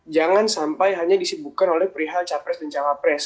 jangan sampai hanya disibukan oleh perihal capres dan cawapres